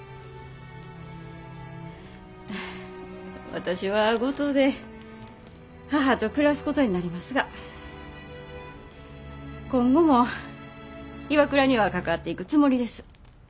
私は五島で母と暮らすことになりますが今後もＩＷＡＫＵＲＡには関わっていくつもりです。